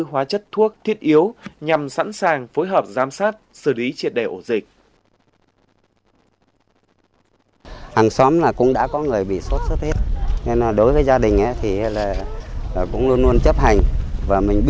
hóa chất thuốc thiết yếu nhằm sẵn sàng phối hợp giám sát xử lý triệt đề ổ dịch